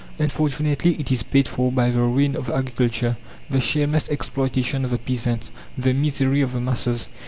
Unfortunately, it is paid for by the ruin of agriculture, the shameless exploitation of the peasants, the misery of the masses.